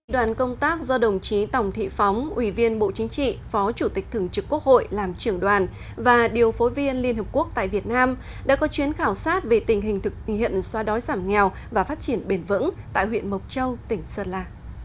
đoàn công tác do đồng chí tòng thị phóng ủy viên bộ chính trị phó chủ tịch thường trực quốc hội làm trưởng đoàn và điều phối viên liên hợp quốc tại việt nam đã có chuyến khảo sát về tình hình thực hiện xoa đói giảm nghèo và phát triển bền vững tại huyện mộc châu tỉnh sơn la